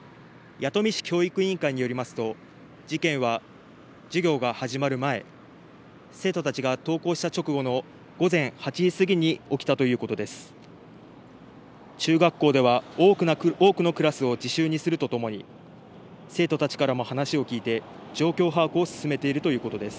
弥富市教育委員会によりますと事件は授業が始まる前、生徒たちが登校した直後の午前８時過ぎに起きたということです。